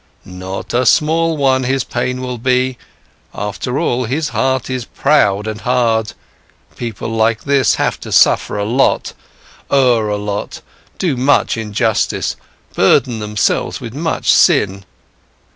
Not a small one, his pain will be; after all, his heart is proud and hard, people like this have to suffer a lot, err a lot, do much injustice, burden themselves with much sin.